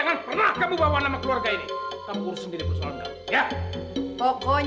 nih yang bakal nunjukin lo gak buktiin